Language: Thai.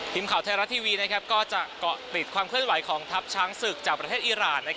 ทีมข่าวไทยรัฐทีวีก็จะเกาะติดความเคลื่อนไหวของทัพช้างศึกจากประเทศอิราณ